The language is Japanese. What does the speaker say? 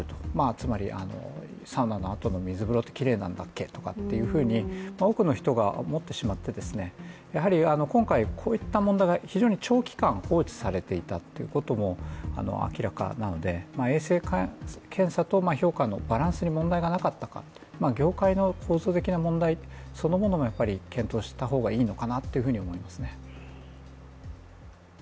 つまりサウナのあとの水風呂はきれいなんだっけというような多くの人が思ってしまって、今回、こういった問題が非常に長期間放置されていたってことも明らかなので、衛生検査と評価のバランスに問題がなかったか、業界の構造的な問題そのものも検討した方がいいのかなと思いますね。